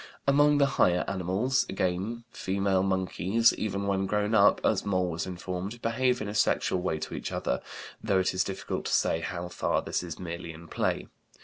Among the higher animals, again, female monkeys, even when grown up (as Moll was informed), behave in a sexual way to each other, though it is difficult to say how far this is merely in play.